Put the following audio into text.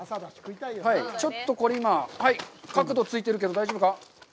ちょっとこれ、今角度がついてるけど、大丈夫か？